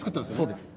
そうです。